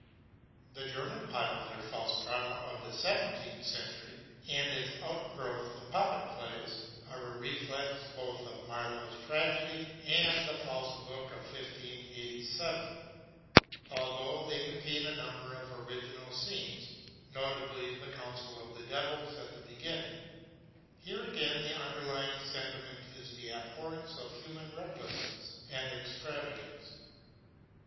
The German popular Faust drama of the seventeenth century and its outgrowth the puppet plays, are a reflex both of Marlowe's tragedy and the Faust Book of 1587, although they contain a number of original scenes, notably the Council of the Devils at the beginning. Here again, the underlying sentiment is the abhorrence of human recklessness and extravagance.